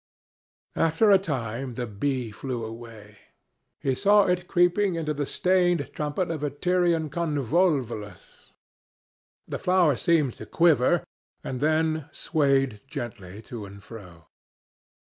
After a time the bee flew away. He saw it creeping into the stained trumpet of a Tyrian convolvulus. The flower seemed to quiver, and then swayed gently to and fro.